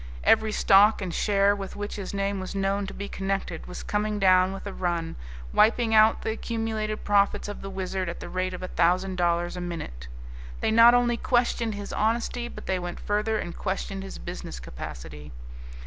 Every stock and share with which his name was known to be connected was coming down with a run, wiping out the accumulated profits of the Wizard at the rate of a thousand dollars a minute. They not only questioned his honesty, but they went further and questioned his business capacity.